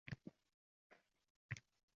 Tinglab ezilaman nolalarini.